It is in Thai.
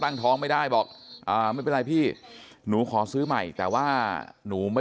ตั้งท้องไม่ได้บอกอ่าไม่เป็นไรพี่หนูขอซื้อใหม่แต่ว่าหนูไม่